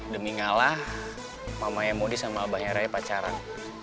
demi ngalah mamanya modi sama abangnya raya pacaran